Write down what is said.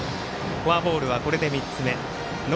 フォアボールは３つ目。